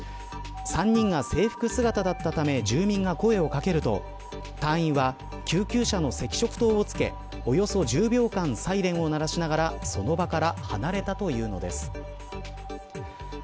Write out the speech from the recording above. ３人が制服姿だったため住民が声を掛けると隊員たちは救急車の赤色灯をつけおよそ１０秒間サイレンを鳴らしながらその場から離れたというのです。